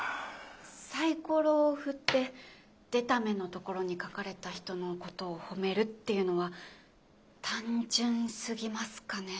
サイコロを振って出た目のところに書かれた人のことを褒めるっていうのは単純すぎますかね？